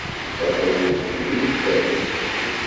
Ata wul temri-t taluft.